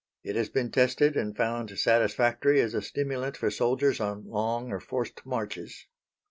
It has been tested and found satisfactory as a stimulant for soldiers on long or forced marches.